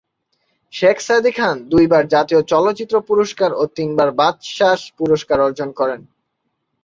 শেখ সাদী খান দুই বার জাতীয় চলচ্চিত্র পুরস্কার ও তিনবার বাচসাস পুরস্কার অর্জন করেন।